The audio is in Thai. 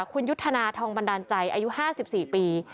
คุณยุทธนาทองบันดาลใจอายุ๕๔ปี